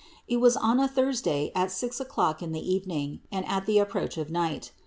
It was on a Thursday at six o'clock in the evening and at the approach of night.